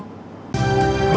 hẹn gặp lại